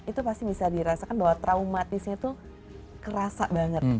itu pasti bisa dirasakan bahwa traumatisnya tuh kerasa banget